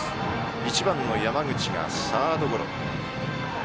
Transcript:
１番の山口がサードゴロ。